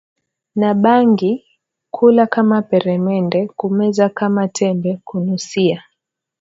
na bangi kula kama peremende kumeza kama tembe kunusia